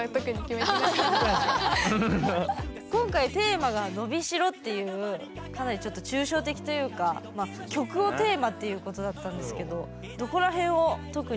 今回テーマが「のびしろ」っていうかなりちょっと抽象的というかまあ曲をテーマっていうことだったんですけどどこら辺を特に意識しました？